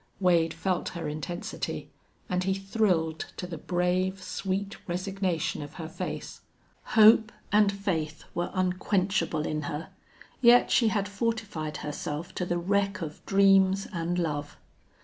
Wade felt her intensity, and he thrilled to the brave, sweet resignation of her face. Hope and faith were unquenchable in her, yet she had fortified herself to the wreck of dreams and love.